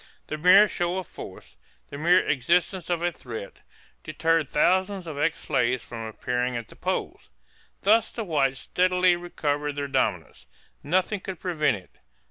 The mere show of force, the mere existence of a threat, deterred thousands of ex slaves from appearing at the polls. Thus the whites steadily recovered their dominance. Nothing could prevent it.